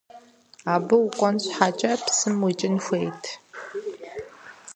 Абы укӏуэн щхьэкӏэ псым уикӏын хуейт.